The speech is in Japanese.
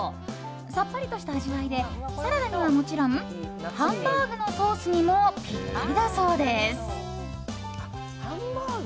さっぱりとした味わいでサラダにはもちろんハンバーグのソースにもぴったりだそうです。